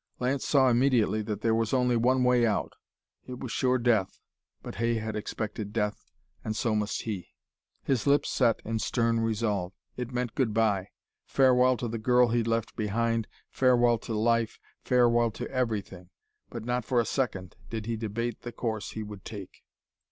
Lance saw immediately that there was only one way out. It was sure death, but Hay had expected death, and so must he. His lips set in stern resolve. It meant good by farewell to the girl he'd left behind, farewell to life, farewell to everything but not for a second did he debate the course he would take.